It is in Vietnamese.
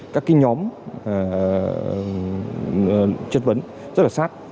các nhóm chất vấn rất là sát